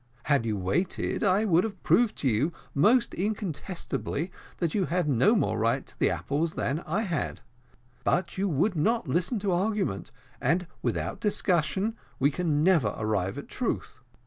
Had you waited, I would have proved to you most incontestably that you had no more right to the apples than I had; but you would not listen to argument, and without discussion we can never arrive at truth.